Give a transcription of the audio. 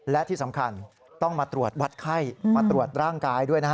และที่สำคัญต้องมาตรวจวัดไข้มาตรวจร่างกายด้วยนะฮะ